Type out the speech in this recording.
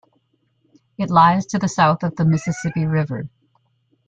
It lies to the south of the Mississippi River.